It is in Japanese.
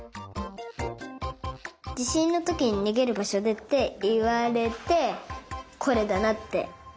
じしんのときににげるばしょでっていわれてこれだなって。